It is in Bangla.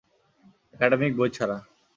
একাডেমিক বই ছাড়া।